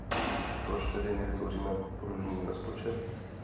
Proč tedy nevytvoříme pružný rozpočet?